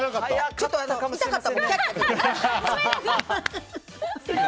ちょっと痛かったもん。